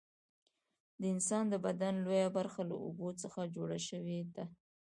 د انسان د بدن لویه برخه له اوبو څخه جوړه شوې ده